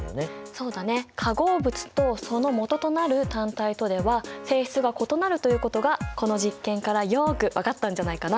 そうだね化合物とそのもととなる単体とでは性質が異なるということがこの実験からよく分かったんじゃないかな？